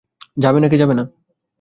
যাবে নাকি যাবে না?